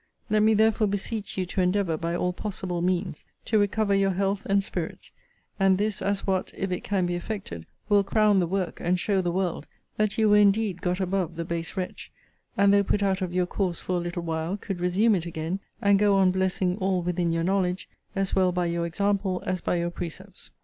Let me therefore beseech you to endeavour, by all possible means, to recover your health and spirits: and this, as what, if it can be effected, will crown the work, and show the world, that you were indeed got above the base wretch; and, though put out of your course for a little while, could resume it again, and go on blessing all within your knowledge, as well by your example as by your precepts.